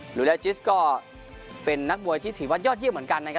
หรือแอร์จิสก็เป็นนักมวยที่ถือว่ายอดเยี่ยมเหมือนกันนะครับ